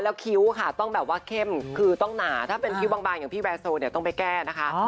แล้วคิ้วค่ะต้องแบบว่าเข้มคือต้องหนาถ้าเป็นคิ้วบางอย่างพี่แวร์โซเนี่ยต้องไปแก้นะคะ